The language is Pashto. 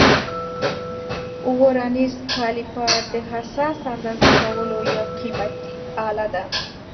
ورنیز کالیپر د حساس اندازه کولو یو قیمتي آله ده.